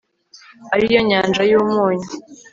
ari yo Nyanja y Umunyu